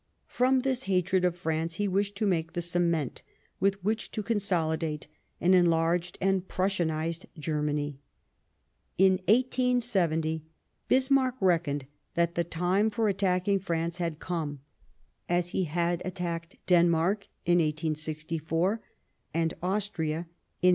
From this hatred of France he wished to make the cement with which to consolidate an enlarged and Prussianized Germany. In 1870 Bismarck reckoned that the time for attacking France had come, as he had attacked Denmark in 1864, and Austria in 1866.